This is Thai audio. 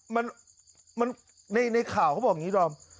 ในข่าวเขาบอกบางตัวอย่างงี้ดอบ